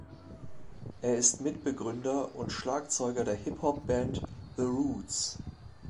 Er ist Mitbegründer und Schlagzeuger der Hip-Hop-Band The Roots.